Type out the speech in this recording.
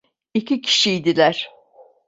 İki kişiydiler.